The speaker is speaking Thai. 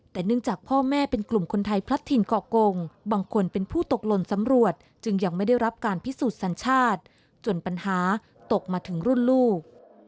แต่เนื่องจากพ่อแม่เป็นกลุ่มคนไทยพลัดถิ่นก่อกงบางคนเป็นผู้ตกหล่นสำรวจจึงยังไม่ได้รับการพิสูจน์สัญชาติจนปัญหาตกมาถึงรุ่นลูก